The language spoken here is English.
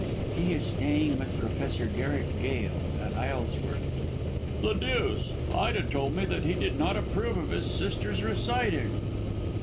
"He is staying with Professor Garrick Gail, at Isleworth." "The deuce! Ida told me that he did not approve of his sister's reciting."